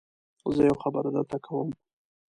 زه يوه خبره درته کوم.